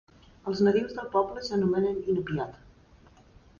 Els nadius del poble s'anomenen inupiat.